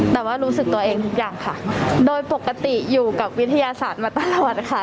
แต่ว่ารู้สึกตัวเองทุกอย่างค่ะโดยปกติอยู่กับวิทยาศาสตร์มาตลอดค่ะ